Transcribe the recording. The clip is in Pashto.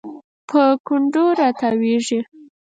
په کنډو راتاویږي